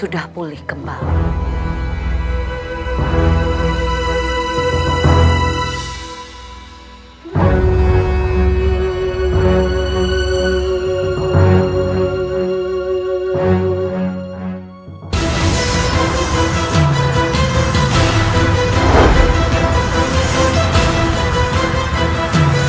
raihkan tempat yang aman